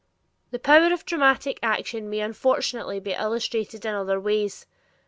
The power of dramatic action may unfortunately be illustrated in other ways.